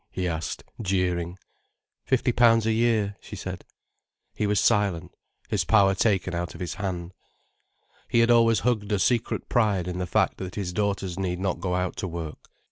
he asked, jeering. "Fifty pounds a year," she said. He was silent, his power taken out of his hand. He had always hugged a secret pride in the fact that his daughters need not go out to work.